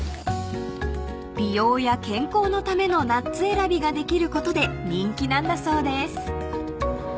［美容や健康のためのナッツ選びができることで人気なんだそうです］